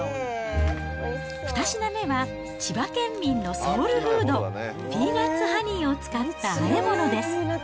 ２品目は千葉県民のソウルフード、ピーナッツハニーを使ったあえ物です。